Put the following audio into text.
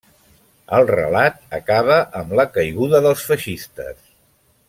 El relat acaba amb la caiguda dels feixistes.